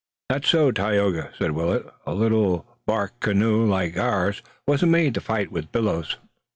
"That's so, Tayoga," said Willet. "A little bark canoe like ours wasn't made to fight with billows."